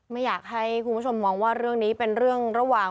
ไม่อยากให้คุณผู้ชมมองว่าเรื่องนี้เป็นเรื่องระหว่าง